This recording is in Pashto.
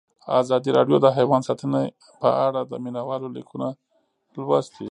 ازادي راډیو د حیوان ساتنه په اړه د مینه والو لیکونه لوستي.